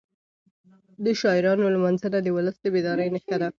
د شاعرانو لمانځنه د ولس د بیدارۍ نښه ده.